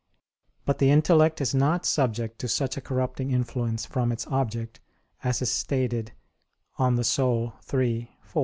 But the intellect is not subject to such a corrupting influence from its object, as is stated De Anima iii, 4.